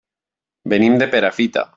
Venim de Perafita.